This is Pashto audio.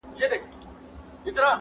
مرغه نه سي څوک یوازي په هګیو!